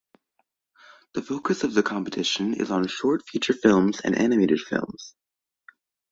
The focus of the competition is on short feature films and animated films.